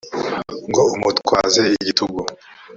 lw ngo umutwaze igitugu